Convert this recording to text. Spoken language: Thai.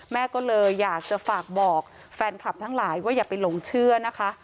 แม่ก็เลยอยากจะฝากบอกแฟนคลับทั้งหลายว่าอย่าไปหลงเชื่อนะคะ